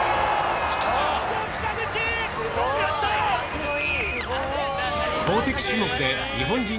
すごい！